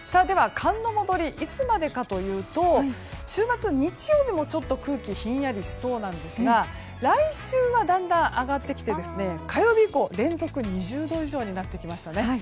では、寒の戻りはいつまでかというと週末、日曜日もちょっと空気がひんやりしそうなんですが来週はだんだん上がってきて火曜日以降、連続２０度以上になってきましたね。